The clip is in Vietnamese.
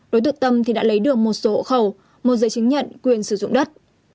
đối tượng tâm thì đã lấy được một số hộ khẩu một giấy chứng nhận quyền sử dụng đất